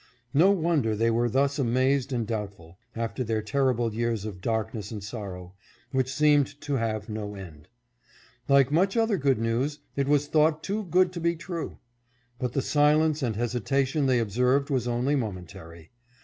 No wonder they were thus amazed and doubtful, after their terrible years of darkness and sorrow, which seemed to have no end. Like much other good news, it was thought too good to be true. But the silence and hesita tion they observed was only momentary.